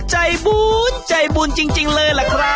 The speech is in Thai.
ใจบุญใจบุญจริงเลยล่ะครับ